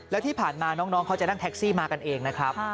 แล้วที่ผ่านมาน้องเขาจะนั่งแท็กซี่มากันเองนะครับ